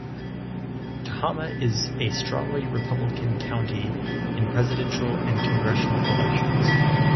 Tehama is a strongly Republican county in Presidential and congressional elections.